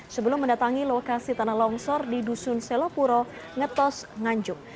sebelum mendatangi lokasi tanah longsor di dusun selopuro ngetos nganjuk